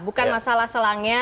bukan masalah selangnya